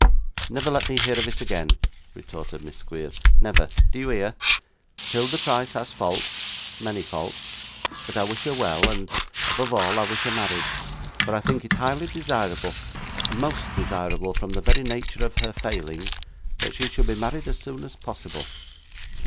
'Never let me hear of it again,' retorted Miss Squeers. 'Never! Do you hear? 'Tilda Price has faults many faults but I wish her well, and above all I wish her married; for I think it highly desirable most desirable from the very nature of her failings that she should be married as soon as possible.